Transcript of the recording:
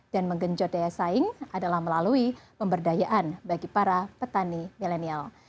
dan menggenjot daya saing adalah melalui pemberdayaan bagi para petani milenial